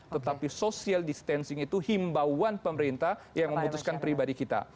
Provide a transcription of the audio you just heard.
tetapi social distancing itu himbauan pemerintah yang memutuskan pribadi kita